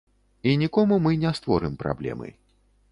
І нікому мы не створым праблемы.